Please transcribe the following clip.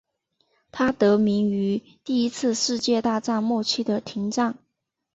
它得名于第一次世界大战末期的停战。